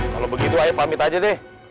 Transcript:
kalau begitu ayo pamit aja deh